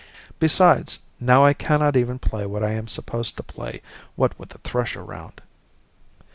Besides, now I cannot even play what I am supposed to play, what with the thrush around."